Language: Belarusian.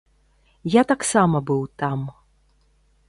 Я таксама быў там.